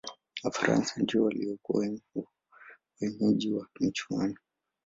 ufaransa ndiyo waliyokuwa waenyeji wa michuano